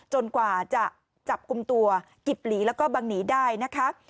กว่าจะจับกลุ่มตัวกิบหลีแล้วก็บังหนีได้นะคะ